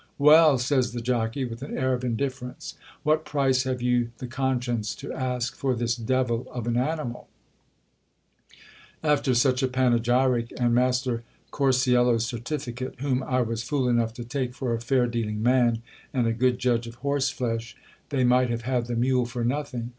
Well ! says the jockey, with an air of in difference, What price have you the conscience to ask for this devil of an ani mal ? After such a panegyric, and master Corcuelo's certificate, whom I was fool enough to take for a fair dealing man and a good judge of horse flesh, they might have had the mule for nothing.